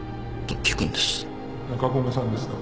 中込さんですか？